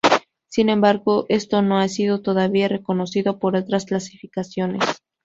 Sin embargo esto no ha sido todavía reconocido por otras clasificaciones.